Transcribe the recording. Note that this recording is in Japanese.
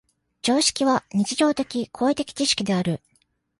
常識は日常的・行為的知識である。